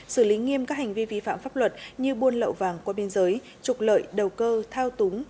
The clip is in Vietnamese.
xử lý nghiêm các hành vi vi phạm pháp luật như buôn lậu vàng qua biên giới trục lợi đầu cơ thao túng